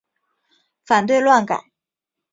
反对乱改！